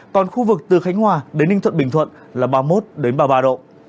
còn khu vực từ khánh hòa đến ninh thuận bình thuận là ba mươi một ba mươi ba độ